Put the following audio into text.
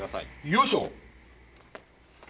よいしょ。